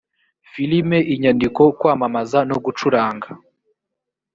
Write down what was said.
filime inyandiko kwamamaza no gucuranga